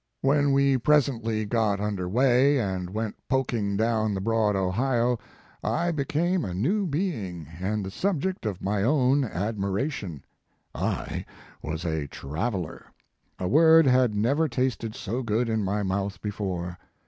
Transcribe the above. When we presently got under way, and went pok ing down the broad Ohio, I became a new being, and the subject of my own admiration, I was a traveler. A word had never tasted so good in my mouth before.